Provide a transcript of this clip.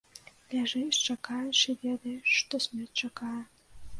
Ляжыш, чакаеш і ведаеш, што смерць чакае.